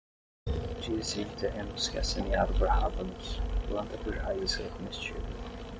Diz-se de terreno que é semeado por rábanos, planta cuja raiz é comestível